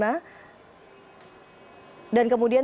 apakah kpk memang yakin berkas yang dilimpahkan ini sudah dikumpulkan